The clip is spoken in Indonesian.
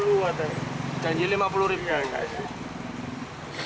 iya gak sih